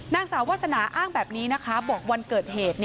นางสาววาสนาอ้างแบบนี้นะคะบอกวันเกิดเหตุ